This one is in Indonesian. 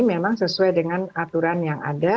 memang sesuai dengan aturan yang ada